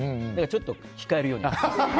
ちょっと控えるようには。